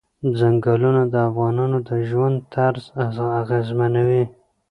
ځنګلونه د افغانانو د ژوند طرز اغېزمنوي.